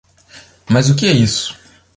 Mas o que é isso?